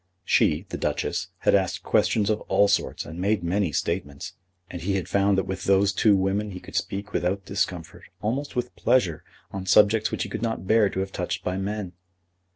She, the Duchess, had asked questions of all sorts, and made many statements; and he had found that with those two women he could speak without discomfort, almost with pleasure, on subjects which he could not bear to have touched by men.